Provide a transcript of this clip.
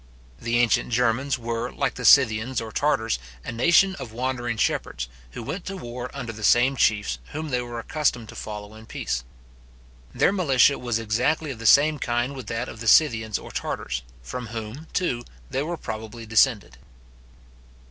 The ancient Germans were, like the Scythians or Tartars, a nation of wandering shepherds, who went to war under the same chiefs whom they were accustomed to follow in peace. 'Their militia was exactly of the same kind with that of the Scythians or Tartars, from whom, too, they were probably descended.